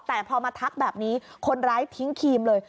แต่พอมาทักแบบนี้คนร้ายทิ้งครีมเลย